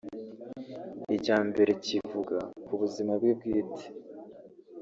Icya mbere kivuga ku buzima bwe bwite